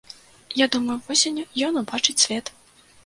Я думаю, восенню ён убачыць свет.